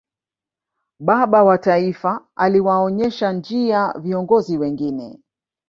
baba wa taifa aliwaonesha njia viongozi wengine